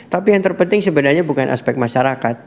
tapi yang terpenting sebenarnya bukan aspek masyarakat